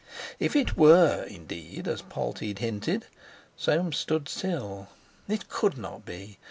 If it were, indeed, as Polteed hinted! Soames stood still. It could not be!